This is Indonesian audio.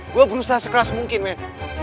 gue berusaha sekeras mungkin men